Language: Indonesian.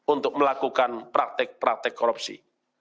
untuk melakukan praktek praktek korupsi